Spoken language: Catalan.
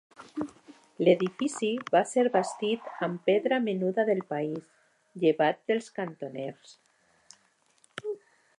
L'edifici va ser bastit amb pedra menuda del país, llevat dels cantoners.